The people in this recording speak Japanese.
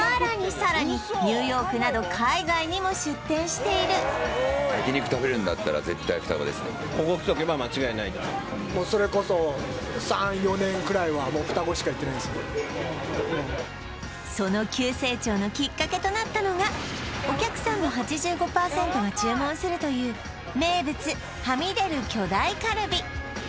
さらにニューヨークなど海外にも出店しているそれこそその急成長のきっかけとなったのがお客さんの８５％は注文するという名物はみ出る巨大カルビ